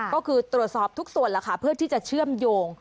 ก็คือตรวจสอบทุกส่วนแล้วค่ะเพื่อที่จะเชื่อมโยง